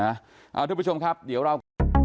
เอาทุกผู้ชมครับเดี๋ยวเรา